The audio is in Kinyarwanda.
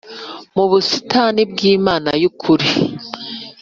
mu busitani bw Imana y ukuri